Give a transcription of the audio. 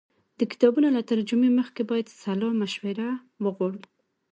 د کتابونو له ترجمې مخکې باید سلا مشوره وغواړو.